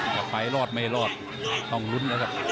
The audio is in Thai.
แต่ไปรอดไม่รอดต้องรุ้นนะครับ